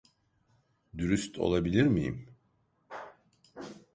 Dürüst olabilir miyim?